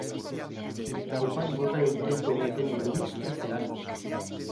O pai morreu tendo o pequeno Luís trece anos.